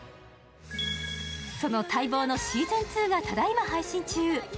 その待望のシーズン２がただいま配信中。